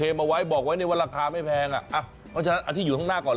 โอ้โฮอะไรมันจะถูกขนาดนี้